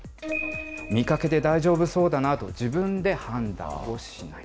見かけで大丈夫そうだなと自分で判断をしない。